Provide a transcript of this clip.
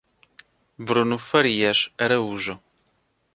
Bruno Farias Araújo